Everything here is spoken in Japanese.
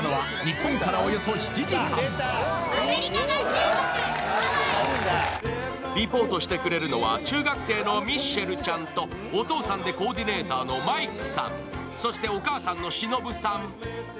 今回はリポートしてくれるのは中学生のミッシェルちゃんとお父さんでコーディネーターのマイクさん、そしてお母さんのしのぶさん。